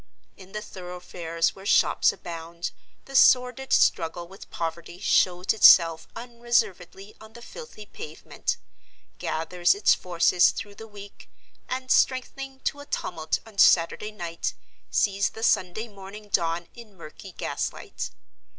In the thoroughfares where shops abound, the sordid struggle with poverty shows itself unreservedly on the filthy pavement; gathers its forces through the week; and, strengthening to a tumult on Saturday night, sees the Sunday morning dawn in murky gaslight.